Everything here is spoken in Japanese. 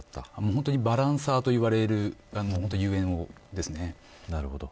本当にバランサーといわれるゆえんですね。